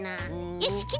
よしきっ